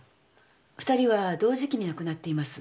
２人は同時期に亡くなっています。